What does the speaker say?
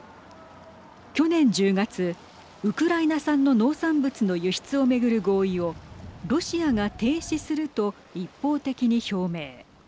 去年１０月、ウクライナ産の農産物の輸出を巡る合意をロシアが停止すると一方的に表明。